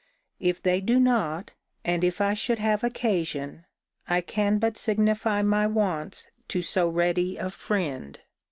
If they do not, and if I should have occasion, I can but signify my wants to so ready a friend.